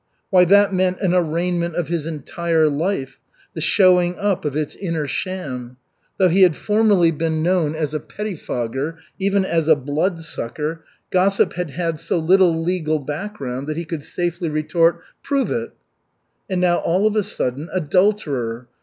Why, that meant an arraignment of his entire life, the showing up of its inner sham. Though he had formerly been known as a pettifogger, even as a Bloodsucker, gossip had had so little legal background that he could safely retort, "Prove it!" And now, all of a sudden adulterer!